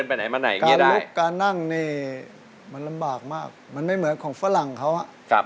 ลุกการนั่งนี่มันลำบากมากมันไม่เหมือนของฝรั่งเขาอ่ะ